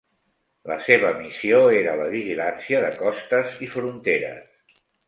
La seva missió era la vigilància de costes i fronteres.